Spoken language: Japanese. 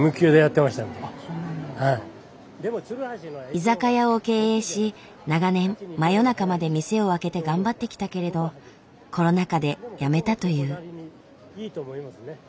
居酒屋を経営し長年真夜中まで店を開けて頑張ってきたけれどコロナ禍でやめたという。